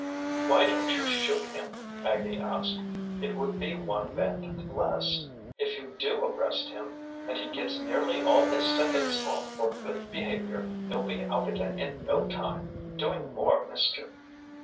"Why don't you shoot him?" Aggie asked. "It would be one bandit less. If you do arrest him, and he gets nearly all his sentence off for good behavior, he'll be out again in no time, doing more mischief."